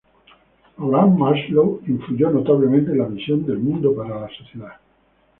Abraham Maslow influyó notablemente en la visión del mundo para la sociedad.